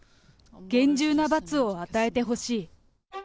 厳重な罰を与えてほしい。